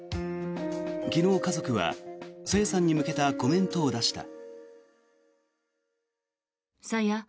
昨日、家族は朝芽さんに向けたコメントを出した。